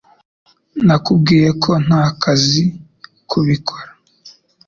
Nakubwiye ko ntazi kubikora.